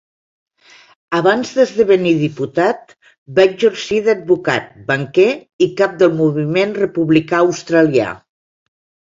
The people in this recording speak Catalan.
Abans d'esdevenir diputat, va exercir d'advocat, banquer i cap del Moviment Republicà Australià.